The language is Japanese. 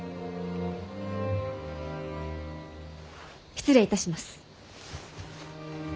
失礼いたします。